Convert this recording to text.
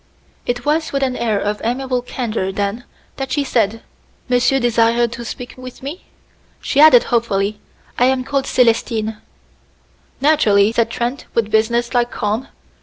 It was with an air of amiable candor, then, that she said, "Monsieur desire to speak with me?" She added helpfully, "I am called Célestine." "Naturally," said Trent with businesslike calm.